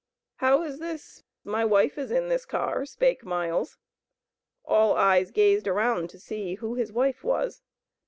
"How is this, my wife is in this car," spake Miles. All eyes gazed around to see who his wife was.